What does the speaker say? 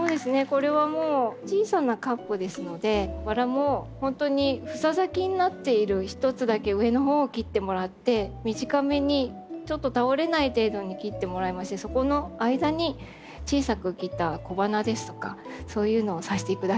これはもう小さなカップですのでバラも本当に房咲きになっている一つだけ上のほうを切ってもらって短めにちょっと倒れない程度に切ってもらいましてそこの間に小さく切った小花ですとかそういうのを挿していくだけです。